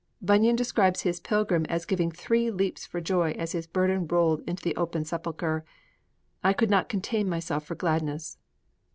Bunyan describes his pilgrim as giving three leaps for joy as his burden rolled into the open sepulchre. I could not contain myself for gladness.'